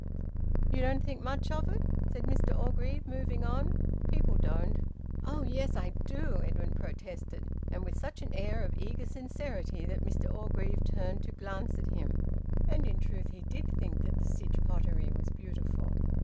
"You don't think much of it?" said Mr Orgreave, moving on. "People don't." "Oh yes! I do!" Edwin protested, and with such an air of eager sincerity that Mr Orgreave turned to glance at him. And in truth he did think that the Sytch Pottery was beautiful.